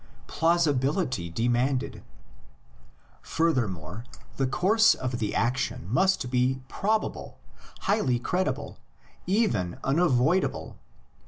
PLAUSIBILITY DEMANDED. Furthermore, the course of the action must be probable, highly credible, even unavoidable.